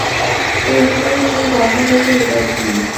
এর উপরে সেই সর্বব্যাপী হৃদয়টি নেই।